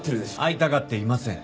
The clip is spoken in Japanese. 会いたがっていません。